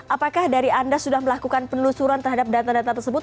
apakah dari anda sudah melakukan penelusuran terhadap data data tersebut